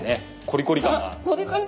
コリコリ感が。